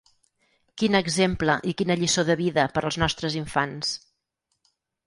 Quin exemple i quina lliçó de vida per als nostres infants.